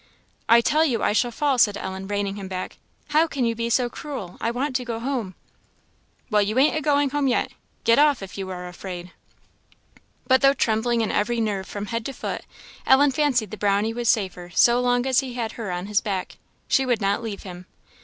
"I tell you I shall fall," said Ellen, reining him back. "How can you be so cruel! I want to go home!" "Well, you ain't agoing home yet. Get off, if you are afraid." But, though trembling in every nerve from head to foot, Ellen fancied the Brownie was safer so long as he had her on his back; she would not leave him.